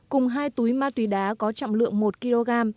cùng hai túi ma túy đá có trọng lượng một kg